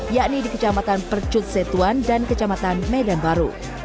yakni di kecamatan percut setuan dan kecamatan medan baru